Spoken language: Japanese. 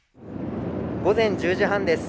午前１０時半です。